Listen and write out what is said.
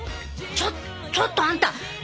ちょちょっとあんた！